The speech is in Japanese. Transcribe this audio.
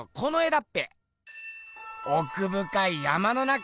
おくぶかい山の中。